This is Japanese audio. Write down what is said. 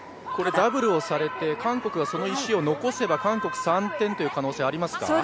ダブルをされて、韓国がその石を残せば韓国、３点という可能性ありますか。